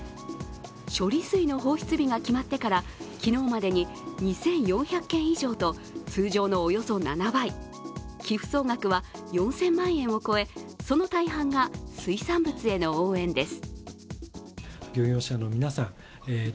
処理水の放出日が決まってから昨日までに２４００件以上の通常のおよそ７倍、寄付総額は４０００万円を超え、その大半が水産物への応援です。